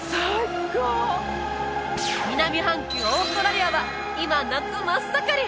南半球オーストラリアは今夏真っ盛り！